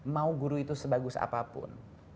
mau guru itu sebagus apapun